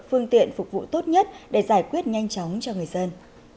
phương tiện phục vụ tốt nhất để giải quyết nhanh chóng cho người dân